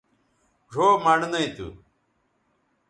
ڙھؤ مڑنئ تھو